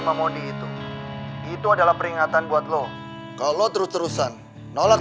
mesti tambah tenaga dulu nih